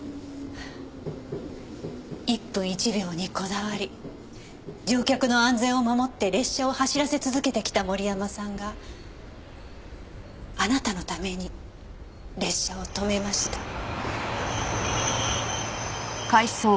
一分一秒にこだわり乗客の安全を守って列車を走らせ続けてきた森山さんがあなたのために列車を止めました。